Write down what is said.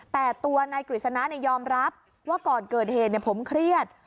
แต่ตัวนายกฤษณะยอมรับว่าก่อนเกิดเหตุผมเครียด